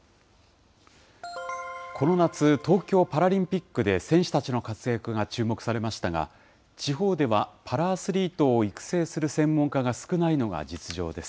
この夏、東京パラリンピックで選手たちの活躍が注目されましたが、地方ではパラアスリートを育成する専門家が少ないのが実情です。